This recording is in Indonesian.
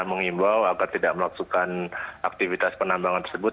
mengimbau agar tidak melaksukan aktivitas penambangan tersebut